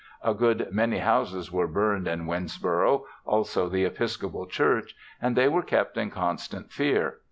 a good many houses were burned in Winnsboro, also the Episcopal Church, and they were kept in constant fear.